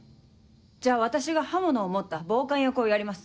じゃあ私が刃物を持った暴漢役をやります。